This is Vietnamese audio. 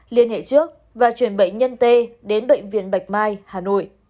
liên hệ trước và chuyển bệnh nhân t đến bệnh viện bạch mai hà nội